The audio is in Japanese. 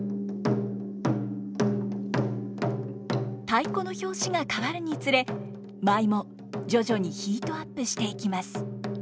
太鼓の拍子が変わるにつれ舞も徐々にヒートアップしていきます。